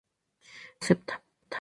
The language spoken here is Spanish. Nines acepta.